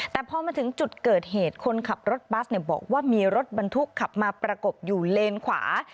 แต่พอมาถึงจุดเกิดเหตุคนขับรถบัสบอกว่ามีรถบรรทุกขับมาประกบอยู่เลนขวา